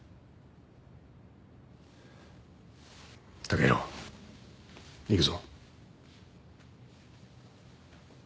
剛洋行くぞ。